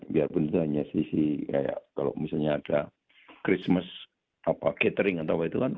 biarpun itu hanya sisi kayak kalau misalnya ada christmas catering atau apa itu kan